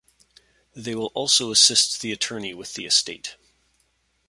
They will also assist the attorney with the estate.